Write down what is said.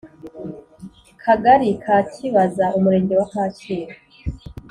Kagari ka Kibaza Umurenge wa Kacyiru